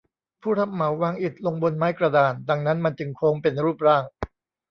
ผู้รับเหมาวางอิฐลงบนไม้กระดาน ดังนั้นมันจึงโค้งเป็นรูปร่าง